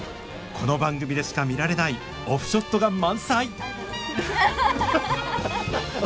この番組でしか見られないオフショットが満載！